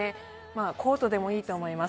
コートでもいいと思います。